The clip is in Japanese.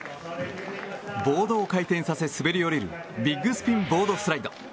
ボードを回転させ滑り降りるビッグスピンボードスライド。